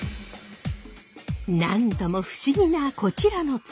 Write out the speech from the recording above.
なんとも不思議なこちらの塚。